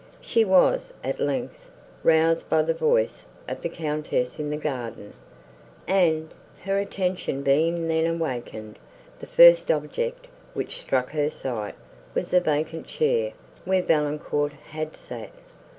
She was, at length, roused by the voice of the Countess in the garden, and, her attention being then awakened, the first object, which struck her sight, was the vacant chair, where Valancourt had sat.